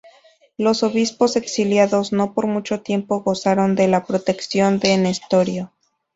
Los obispos exiliados no por mucho tiempo gozaron de la protección de Nestorio.